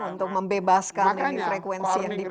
untuk membebaskan frekuensi yang dipakai